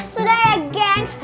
sudah ya gengs